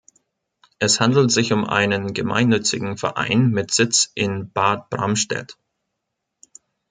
Es handelt sich um einen gemeinnützigen Verein mit Sitz in Bad Bramstedt.